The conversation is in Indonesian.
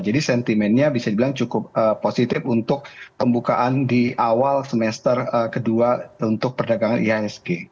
jadi sentimennya bisa dibilang cukup positif untuk pembukaan di awal semester kedua untuk perdagangan ihsg